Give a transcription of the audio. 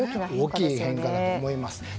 大きい変化だと思います。